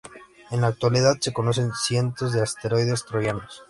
En la actualidad se conocen cientos de asteroides troyanos.